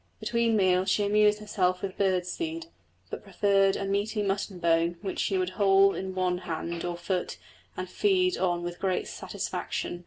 Between meals she amused herself with bird seed, but preferred a meaty mutton bone, which she would hold in one hand or foot and feed on with great satisfaction.